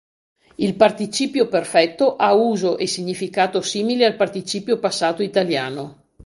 Il participio perfetto ha uso e significato simili al participio passato italiano.